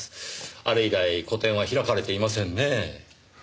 あれ以来個展は開かれていませんねぇ？